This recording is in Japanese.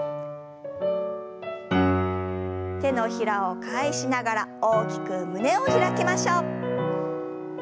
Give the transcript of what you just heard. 手のひらを返しながら大きく胸を開きましょう。